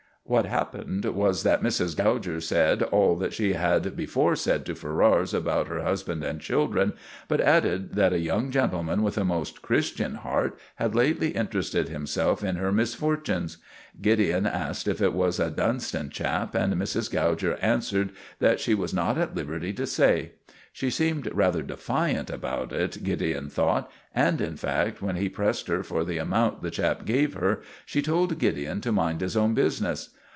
What happened was that Mrs. Gouger said all that she had before said to Ferrars about her husband and children, but added that a young gentleman with a most Christian heart had lately interested himself in her misfortunes. Gideon asked if it was a Dunston chap, and Mrs. Gouger answered that she was not at liberty to say. She seemed rather defiant about it, Gideon thought, and, in fact, when he pressed her for the amount the chap gave her, she told Gideon to mind his own business.